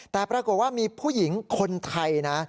แต่ปรากฏว่ามีผู้หญิงคนไทยนะ